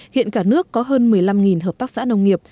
hiện cả nước có hơn một mươi năm hợp tác xã nông nghiệp